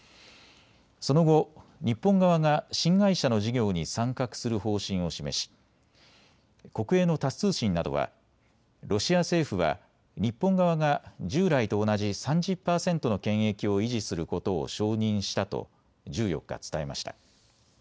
その後、日本側が新会社の事業に参画する方針を示し国営のタス通信などはロシア政府は日本側が従来と同じ３０％の権益を維持することを承認したと１４日、伝えました。